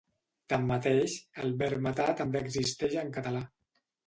Tanmateix, el verb matar també existeix en català.